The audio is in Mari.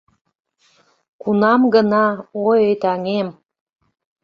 Кунам гына, ой, таҥем